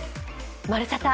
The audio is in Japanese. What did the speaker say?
「＃まるサタ！